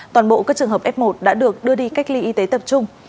toàn bộ các trường hợp f một đã được đưa đi cách ly y tế tập trung